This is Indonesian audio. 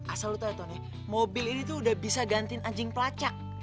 asal lu tau ya ton ya mobil ini tuh udah bisa gantiin anjing pelacak